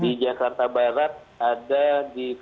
di jakarta barat ada empat titik